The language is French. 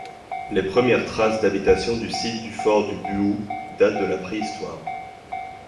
Les première traces d'habitations du site du Fort de Buoux date de la préhistoire.